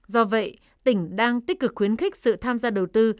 do vậy tỉnh đang tích cực khuyến khích sự tham gia đầu tư